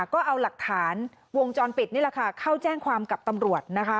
ก็เอาหลักฐานวงจรปิดนี่แหละค่ะเข้าแจ้งความกับตำรวจนะคะ